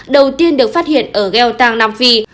đầu tiên được phát hiện ở gheo tàng nam phi